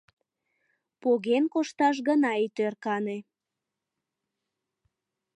Поген кошташ гына ит ӧркане.